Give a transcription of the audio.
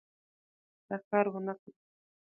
دا کار ونه کړي.